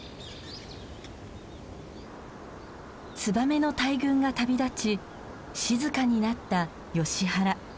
ツバメの大群が旅立ち静かになったヨシ原。